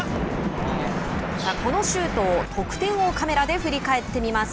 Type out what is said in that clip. このシュートを得点王カメラで振り返ってみます。